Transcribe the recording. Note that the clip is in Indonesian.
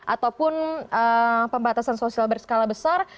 ataupun pembatasan sosial berskala besar